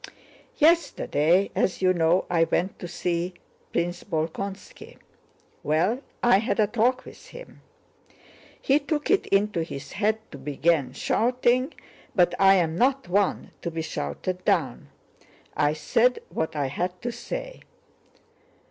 "Yesterday, as you know, I went to see Prince Bolkónski. Well, I had a talk with him.... He took it into his head to begin shouting, but I am not one to be shouted down. I said what I had to say!"